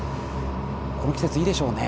この季節いいでしょうね。